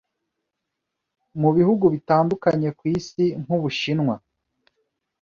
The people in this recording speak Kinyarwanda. mu bihugu bitandukanye ku isi nk’ubushinwa